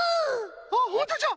あっホントじゃ！